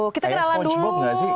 kita kenalan dulu